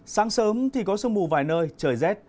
sáng sớm có sương mù vài nơi trời rét